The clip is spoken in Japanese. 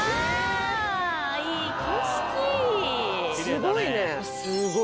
すごいね。